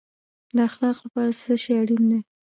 د اخلاقو لپاره څه شی اړین دی؟